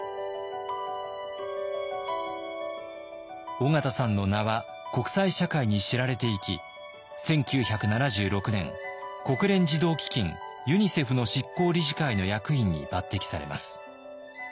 緒方さんの名は国際社会に知られていき１９７６年国連児童基金＝ユニセフの執行理事会の役員に抜てきされます。